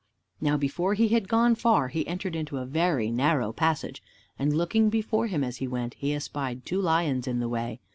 Now before he had gone far, he entered into a very narrow passage; and looking before him as he went, he espied two lions in the way.